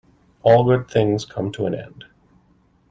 All good things come to an end.